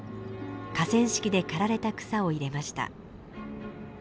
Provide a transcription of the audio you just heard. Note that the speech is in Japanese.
河川敷で刈られた草を入れました。